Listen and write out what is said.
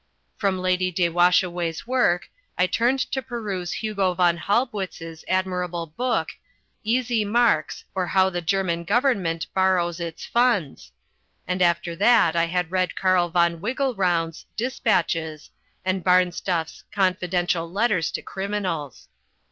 From Lady de Washaway's work I turned to peruse Hugo von Halbwitz's admirable book, Easy Marks, or How the German Government Borrows its Funds; and after that I had read Karl von Wiggleround's Despatches and Barnstuff's Confidential Letters to Criminals.